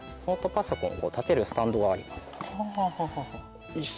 ノートパソコンを立てるスタンドがあります。